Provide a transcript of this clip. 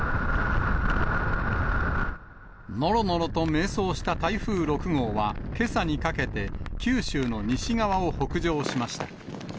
のろのろと迷走した台風６号は、けさにかけて九州の西側を北上しました。